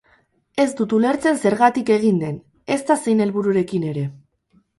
Ez dut ulertzen zergaitik egin den, ezta zein helbururekin ere.